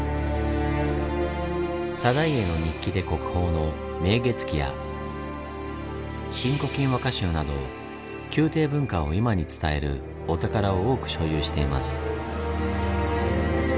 定家の日記で国宝の「明月記」や「新古今和歌集」など宮廷文化を今に伝えるお宝を多く所有しています。